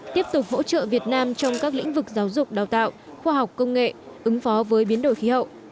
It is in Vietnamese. tiếp tục hỗ trợ việt nam trong các lĩnh vực giáo dục đào tạo khoa học công nghệ ứng phó với biến đổi khí hậu